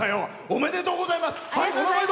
おめでとうございます。